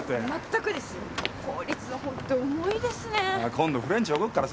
今度フレンチおごるからさ。